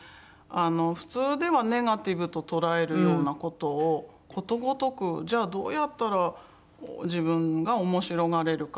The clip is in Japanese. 普通ではネガティブと捉えるような事をことごとくじゃあどうやったら自分が面白がれるか。